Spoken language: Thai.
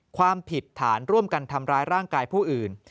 ความผิดฐานร่วมกันทำร้ายร่างกายผู้อื่น